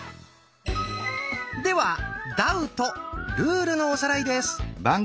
では「ダウト」ルールのおさらいです。